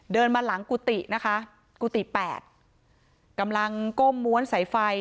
มาหลังกุฏินะคะกุฏิแปดกำลังก้มม้วนสายไฟ